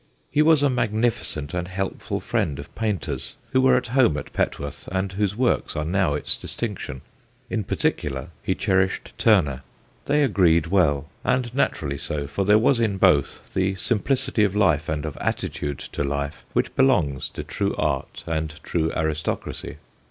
He was a magnificent and helpful friend of painters, who were at home at Petworth, and whose works are now its distinction. In particular he cherished Turner. They agreed well, and naturally so, for there was in both the simplicity of life and of attitude to life which belongs to true art and true aristocracy.